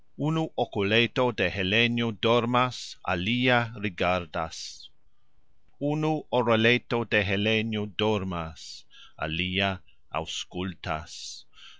Unu okuleto de Helenjo dormas, alia rigardas; unu oreleto de Helenjo dormas, alia auxskultas.